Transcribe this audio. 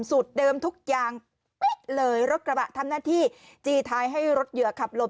สูตรเดิมทุกอย่างเป๊ะเลยรถกระบะทำหน้าที่จีท้ายให้รถเหยื่อขับหลบ